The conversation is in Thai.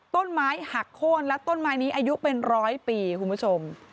ต้นไม้หักโค้นและต้นไม้นี้อายุเป็นร้อยปีคุณผู้ชม